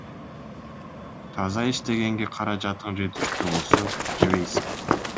Таза иштегенге каражатың жетиштүү болсо, жебейсиң.